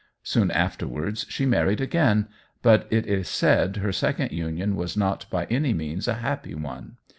Soon afterwards she married again, but it is said her second union was not by any means a happy one.